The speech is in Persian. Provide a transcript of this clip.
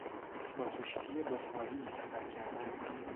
با کشتی بخاری سفر کردن